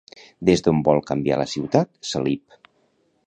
Des d'on vol canviar la ciutat, Salip?